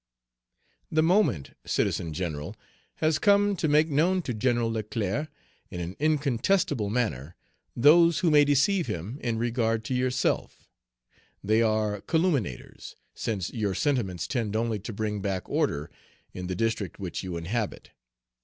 "The moment, Citizen General, has come to make known to General Leclerc, in an incontestable manner, those who may deceive him in regard to yourself; they are calumniators, since your sentiments tend only to bring back order in the district which you inhabit.